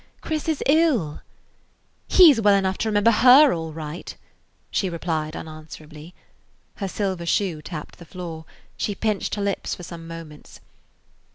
"Chris is ill–" "He 's well enough to remember her all right," she replied unanswerably. Her silver shoe tapped the floor; she pinched her lips for some moments.